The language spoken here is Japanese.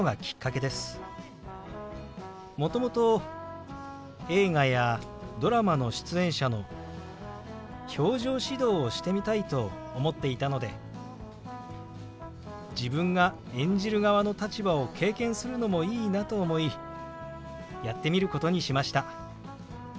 もともと映画やドラマの出演者の表情指導をしてみたいと思っていたので自分が演じる側の立場を経験するのもいいなと思いやってみることにしました。